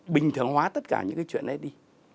bình thường hóa tất cả những cái chuyện đấy đi